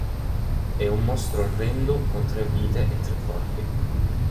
È un mostro orrendo con tre vite e tre corpi.